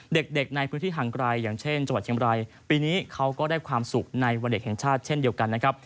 เด็กในพื้นที่ห่างไกลอย่างเช่นจังหวัดเชียงบรายปีนี้เขาก็ได้ความสุขในวันเด็กแห่งชาติเช่นเดียวกันนะครับ